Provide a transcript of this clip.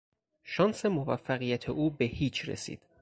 شانس موفقیت او به هیچ رسید.